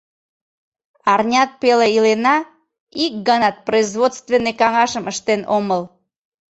Арнят пеле илена, ик ганат производственный каҥашым ыштен омыл.